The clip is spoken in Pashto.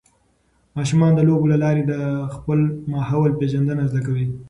ماشومان د لوبو له لارې د خپل ماحول پېژندنه زده کوي.